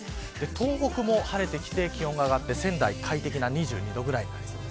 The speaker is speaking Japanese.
東北も晴れてきて気温が上がって仙台は快適な２２度くらいになりそうです。